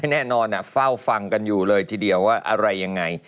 แน่นอนเฝ้าฟังกันอยู่เลยทีเดียวว่าอะไรยังไง